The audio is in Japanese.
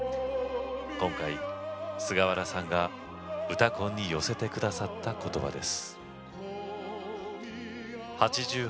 今回、菅原さんが「うたコン」に寄せてくださったことばです。